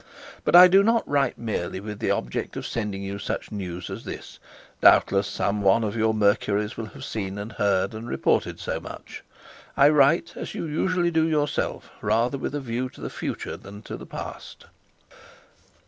'But I do not write merely with the object of sending you such news as this: doubtless some one of your Mercuries will have seen and heard and reported so much; I write, as you usually do yourself, rather with a view to the future than to the past.